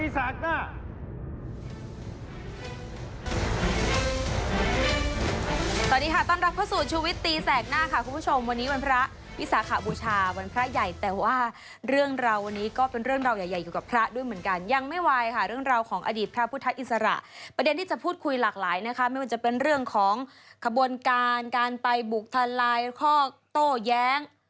สวัสดีค่ะต้อนรับเข้าสู่ชูวิตตีแสกหน้าค่ะคุณผู้ชมวันนี้วันพระวิสาขบูชาวันพระใหญ่แต่ว่าเรื่องเราวันนี้ก็เป็นเรื่องราวใหญ่อยู่กับพระด้วยเหมือนกันยังไม่ไหวค่ะเรื่องราวของอดีตพระพุทธอิสระประเด็นที่จะพูดคุยหลากหลายนะคะไม่ว่าจะเป็นเรื่องของขบวนการการไปบุกทลายข้อโต้แย้ง